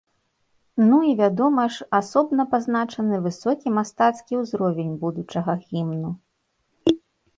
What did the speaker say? Ну і, вядома ж, асобна пазначаны высокі мастацкі ўзровень будучага гімну.